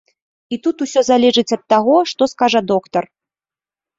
І тут усё залежыць ад таго, што скажа доктар.